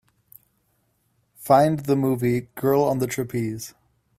Find the movie Girl on the Trapeze